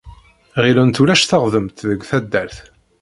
Ɣilent ulac teɣdemt deg taddart.